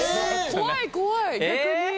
怖い怖い逆に。